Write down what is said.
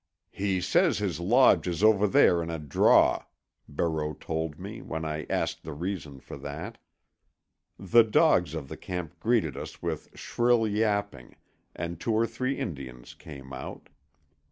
"He says his lodge is over there in a draw," Barreau told me, when I asked the reason for that. The dogs of the camp greeted us with shrill yapping, and two or three Indians came out.